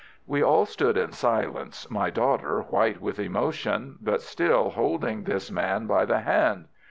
"We all stood in silence, my daughter white with emotion, but still holding this man by the hand.